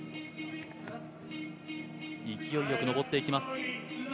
勢いよく登っていきます。